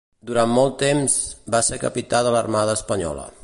Durant molt temps va ser Capità de l'Armada espanyola.